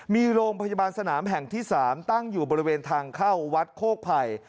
มีโรงพยาบาลสนามแห่งที่๓ตั้งอยู่บริเวณทางเข้าวัดโคกภัย